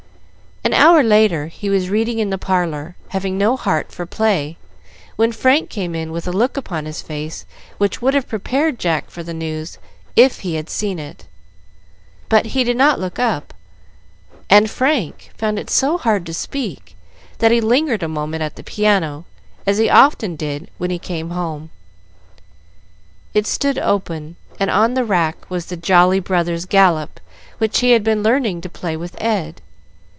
An hour later he was reading in the parlor, having no heart for play, when Frank came in with a look upon his face which would have prepared Jack for the news if he had seen it. But he did not look up, and Frank found it so hard to speak, that he lingered a moment at the piano, as he often did when he came home. It stood open, and on the rack was the "Jolly Brothers' Galop," which he had been learning to play with Ed.